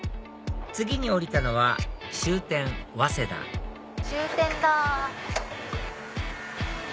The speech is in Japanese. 次に降りたのは終点早稲田終点だ。